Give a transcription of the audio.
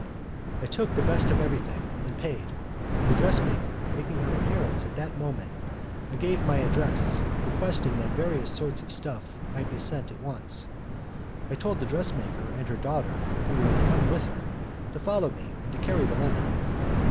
I took the best of everything and paid, and the dressmaker making her appearance at that moment I gave my address, requesting that various sorts of stuff might be sent at once. I told the dressmaker and her daughter, who had come with her, to follow me and to carry the linen.